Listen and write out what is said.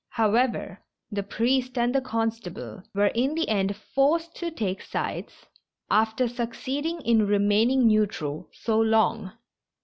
However, the priest and the constable were in the end forced to take sides after succeeding in remaining neu tral so long.